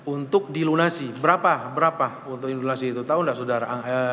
untuk dilunasi berapa berapa untuk indulasi itu tahu nggak saudara